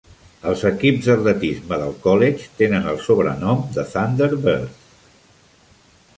Els equips d'atletisme del college tenen el sobrenom de Thunderbirds.